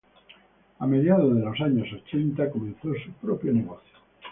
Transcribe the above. A mediados de los años ochenta comenzó su propio negocio.